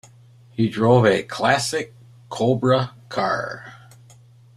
He drove a classic Cobra car.